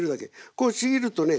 こうちぎるとね